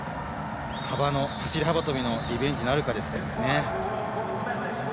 走り幅跳びのリベンジなるかですね。